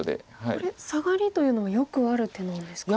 これサガリというのはよくある手なんですか？